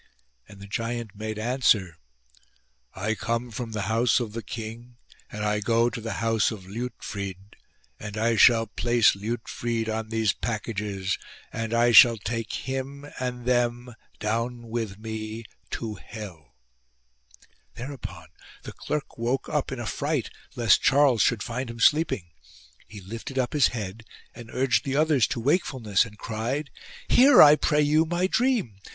And the giant made answer :" I come from the house of the king and I go to the house of Liutfrid ; and I shall place Liutfrid on these packages and I shall take him and them down with me to hell." Thereupon the clerk woke up, in a fright lest Charles should find him sleeping. He lifted up 98 LIUTFRID'S DEATH his head and urged the others to wakefulness and cried :" Hear, I pray you, my dream.